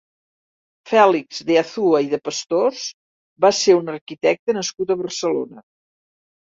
Fèlix de Azúa i de Pastors va ser un arquitecte nascut a Barcelona.